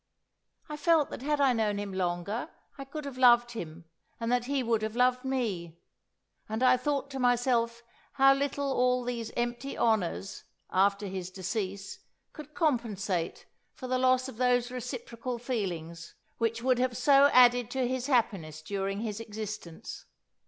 I felt that had I known him longer, I could have loved him, and that he would have loved me; and I thought to myself how little all these empty honours, after his decease, could compensate for the loss of those reciprocal feelings, which would have so added to his happiness during his existence.